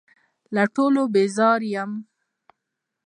له ټولو بېزاره یم .